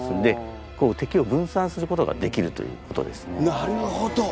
なるほど。